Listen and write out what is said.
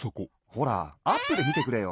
ほらアップでみてくれよ。